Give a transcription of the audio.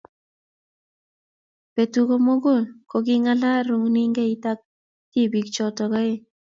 Betu komugul ko kingalal runingait ak tibiik choto oeng.